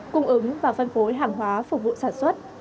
cung ứng và phân phối hàng hóa phục vụ sản xuất